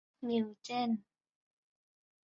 นิวเจน